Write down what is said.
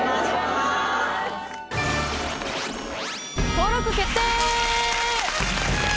登録決定！